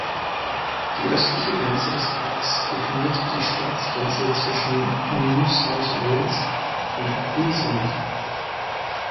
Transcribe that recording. Die östliche Grenze des Parks definiert die Staatsgrenze zwischen New South Wales und Queensland.